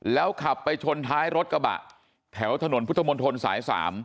แล้วขับไปชนท้ายรถกระบะแถวถนนพุทธมนตรสาย๓